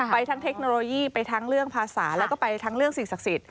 ทั้งเทคโนโลยีไปทั้งเรื่องภาษาแล้วก็ไปทั้งเรื่องสิ่งศักดิ์สิทธิ